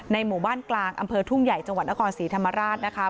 หมู่บ้านกลางอำเภอทุ่งใหญ่จังหวัดนครศรีธรรมราชนะคะ